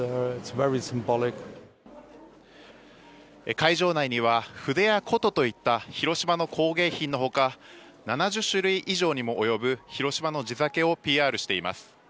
会場内には筆や琴といった広島の工芸品のほか７０種類以上にも及ぶ広島の地酒をＰＲしています。